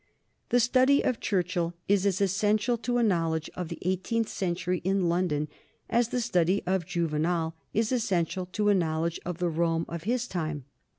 The study of Churchill is as essential to a knowledge of the eighteenth century in London as the study of Juvenal is essential to a knowledge of the Rome of his time.